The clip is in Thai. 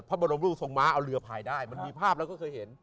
พระบรมรูปทรงม้าเอาเรือพายได้มันมีภาพแล้วก็เคยเห็น